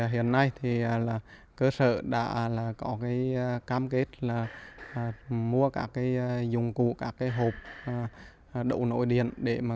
hiện nay cơ sở đã có cam kết mua các dùng cụ các hộp đậu nội điện